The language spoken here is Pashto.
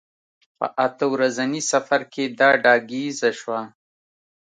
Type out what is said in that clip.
په اته ورځني سفر کې دا ډاګیزه شوه.